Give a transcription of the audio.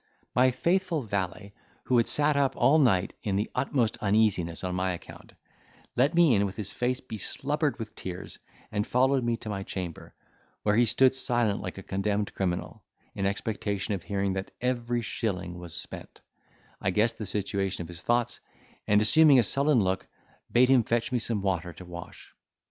My faithful valet, who had set up all night in the utmost uneasiness on my account, let me in with his face beslubbered with tears, and followed me to my chamber, where he stood silent like a condemned criminal, in expectation of hearing that every shilling was spent, I guessed the situation of his thoughts, and, assuming a sullen look, bade him fetch me some water to wash.